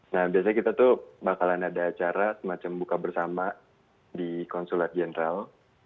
nah biasanya kita tuh bakalan ada acara semacam buka bersama di konsulat general